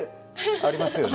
ありますよね。